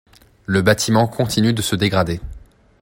Le bâtiment continue de se dégrader.